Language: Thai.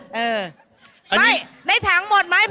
เวลาดีเล่นหน่อยเล่นหน่อย